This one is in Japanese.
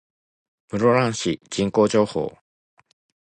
室蘭市人口情報